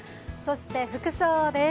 服装です。